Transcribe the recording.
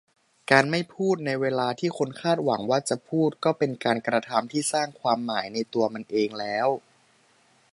การ'ไม่พูด'ในเวลาที่คนคาดหวังว่าจะพูด ก็เป็นการกระทำที่สร้างความหมายในตัวมันเองแล้ว